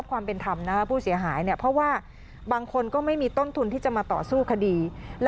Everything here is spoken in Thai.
บางคนก็ไม่มีต้นทุนที่จะมาต่อสู้คดี